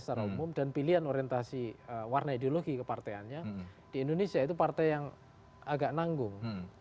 secara umum dan pilihan orientasi warna ideologi keparteannya di indonesia itu partai yang agak nanggung